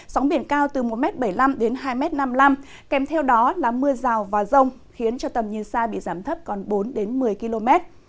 sóng biển cao từ một bảy mươi năm m đến hai năm mươi năm m kèm theo đó là mưa rào và rông khiến tầm nhiệt sa bị giảm thấp còn bốn một mươi km